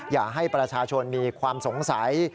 อย่าให้ประชาชนมีความสงสัย